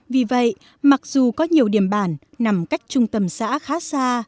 vì vậy mặc dù có nhiều điểm bản nằm cách trung tâm xã khá xa